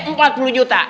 empat puluh juta